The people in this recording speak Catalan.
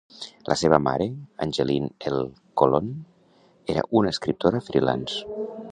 La seva mare, Angeline L. Conlon, era una escriptora freelance.